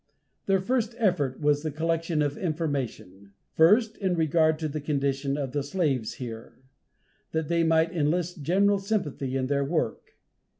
Their first effort was the collection of information: first, in regard to the condition of the slave here, that they might enlist general sympathy in their work.